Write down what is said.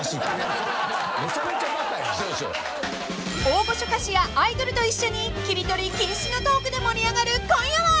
［大御所歌手やアイドルと一緒に切り取り禁止のトークで盛り上がる今夜は！］